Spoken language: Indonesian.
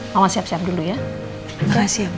mama siap siap dulu ya